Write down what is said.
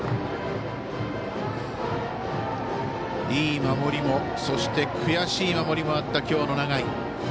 いい守りも、そして悔しい守りもあった今日の永井。